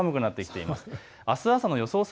あす朝の予想